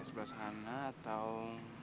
sebelah sana atau